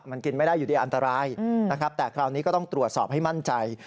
มันกินไม่ได้อยู่ดีอันตรายนะครับแต่คราวนี้ก็ต้องตรวจสอบให้มั่นใจ